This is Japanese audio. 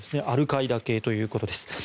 アルカイダ系ということです。